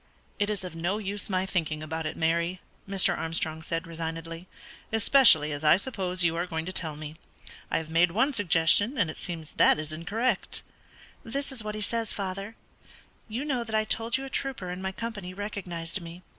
"It is of no use my thinking about it, Mary," Mr. Armstrong said, resignedly, "especially as I suppose you are going to tell me. I have made one suggestion, and it seems that it is incorrect." "This is what he says, father: 'You know that I told you a trooper in my company recognised me.